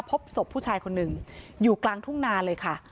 พบศพผู้ชายคนหนึ่งอยู่กลางทุ่งนาเลยค่ะ